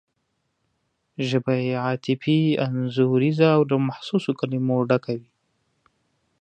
ژبه یې عاطفي انځوریزه او له محسوسو کلمو ډکه وي.